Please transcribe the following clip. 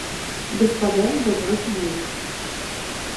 Господа закройте дверь.